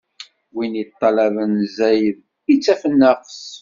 Win iṭṭalaben zzayed, ittaf nnaqes.